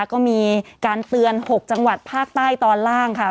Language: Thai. ก็มีการเตือน๖จังหวัดภาคใต้ตอนล่างค่ะ